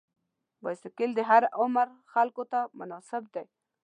بایسکل د هر عمر خلکو ته مناسب دی.